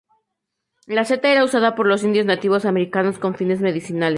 La seta era usada por los indios nativos americanos con fines medicinales.